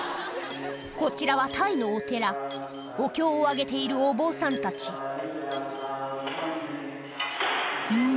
こちらはタイのお寺お経をあげているお坊さんたちん？